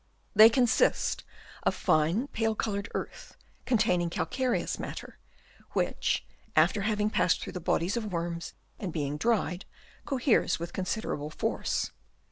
They consist of fine, pale coloured earth, containing calcareous matter, which after having passed through the bodies of worms and being dried, coheres with considerable force.